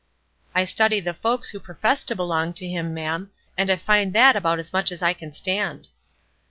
"I study the folks who profess to belong to him, ma'am, and I find that about as much as I can stand."